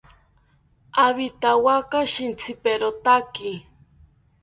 Awithawaka shintziperotaki